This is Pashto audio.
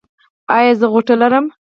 ایا زه غوټه لرم؟